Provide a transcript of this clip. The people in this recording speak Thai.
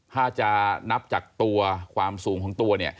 ถ้าจะนับจากตัวความสูงของตัวเนี่ย